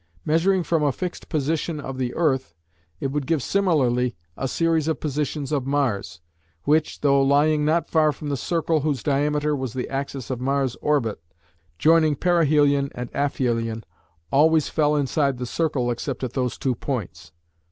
Measuring from a fixed position of the earth, it would give similarly a series of positions of Mars, which, though lying not far from the circle whose diameter was the axis of Mars' orbit, joining perihelion and aphelion, always fell inside the circle except at those two points.